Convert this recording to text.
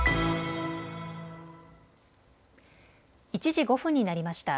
１時５分になりました。